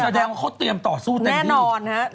แสดงว่าเขาเตรียมต่อสู้เต็มที่